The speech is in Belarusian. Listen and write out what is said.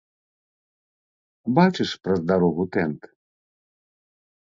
Бачыш праз дарогу тэнт?